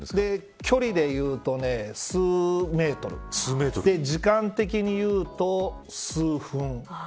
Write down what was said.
距離で言うと数メートル時間的に言うと数分。